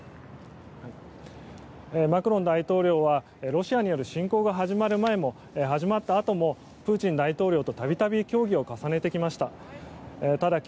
マクロン大統領はロシアによる侵攻が始まる前も、始まったあともプーチン大統領と度々、協議を重ねてきました。